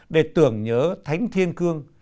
để tưởng nhớ thánh thiên cương